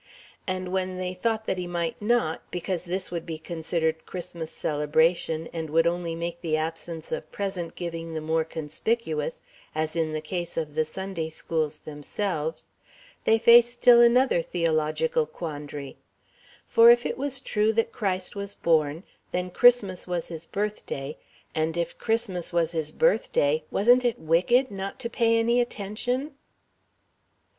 And when they thought that he might not, because this would be considered Christmas celebration and would only make the absence of present giving the more conspicuous, as in the case of the Sunday schools themselves, they faced still another theological quandary: For if it was true that Christ was born, then Christmas was his birthday; and if Christmas was his birthday, wasn't it wicked not to pay any attention?